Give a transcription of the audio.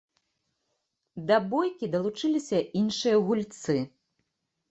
Да бойкі далучыліся іншыя гульцы.